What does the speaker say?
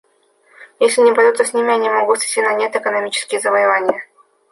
Если не бороться с ними, они могут свести на нет экономические завоевания.